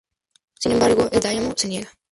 Sin embargo, el daimyō se niega.